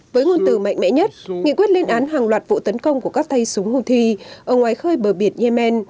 với nguồn từ mạnh mẽ nhất nghị quyết lên án hàng loạt vụ tấn công của các tay súng houthi ở ngoài khơi bờ biển yemen